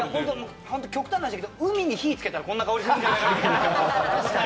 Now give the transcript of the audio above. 極端な話、海に火をつけたらこんな香りするんじゃないかと。